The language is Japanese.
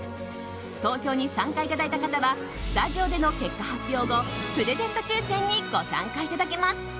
投票に参加いただいた方はスタジオでの結果発表後プレゼント抽選にご参加いただけます。